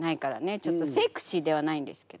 ちょっとセクシーではないんですけど。